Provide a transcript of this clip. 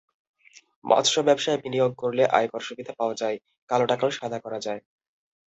মৎস্য ব্যবসায় বিনিয়োগ করলে আয়কর-সুবিধা পাওয়া যায়, কালো টাকাও সাদা করা যায়।